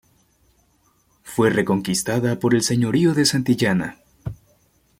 Fue reconquistada por el Señorío de Santillana.